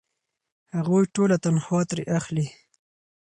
هغوی ټوله تنخوا ترې اخلي.